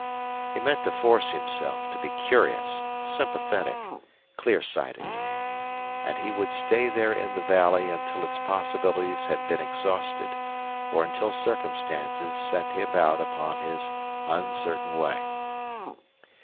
He meant to force himself to be curious, sympathetic, clear sighted. And he would stay there in the valley until its possibilities had been exhausted or until circumstances sent him out upon his uncertain way.